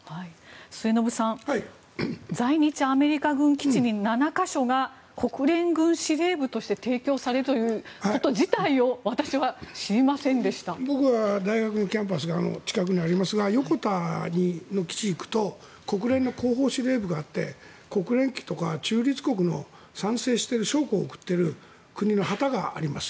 末延さん在日アメリカ軍基地に７か所が国連軍司令部として提供されるということ自体を僕は大学のキャンパスが近くにありますが横田の基地に行くと国連の後方司令部があって国連旗とか中立国の参戦している将校を送っている国の旗があります。